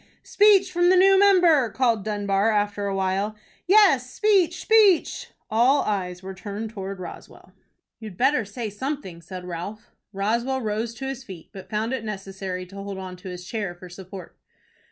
"Speech from the new member!" called Dunbar, after a while. "Yes, speech, speech!" All eyes were turned towards Roswell. "You'd better say something," said Ralph. Roswell rose to his feet, but found it necessary to hold on to his chair for support.